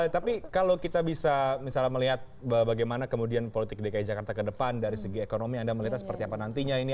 tapi kalau kita bisa misalnya melihat bagaimana kemudian politik dki jakarta ke depan dari segi ekonomi anda melihatnya seperti apa nantinya ini